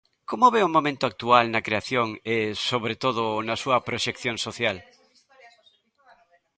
Como ve o momento actual na creación e, sobre todo, na súa proxección social?